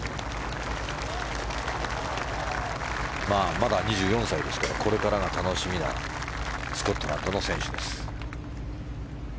まだ２４歳ですからこれからが楽しみなスコットランドの選手です。